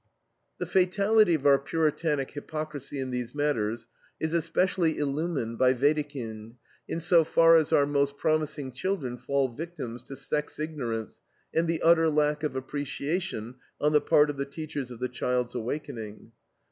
The fatality of our Puritanic hypocrisy in these matters is especially illumined by Wedekind in so far as our most promising children fall victims to sex ignorance and the utter lack of appreciation on the part of the teachers of the child's awakening.